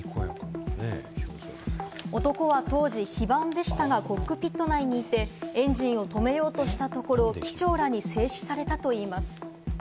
男は当時、非番でしたがコックピット内にいて、エンジンを止めようとしたところ、機長らに制止されたといいます。